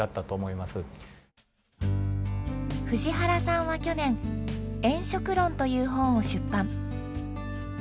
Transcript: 藤原さんは去年「縁食論」という本を出版。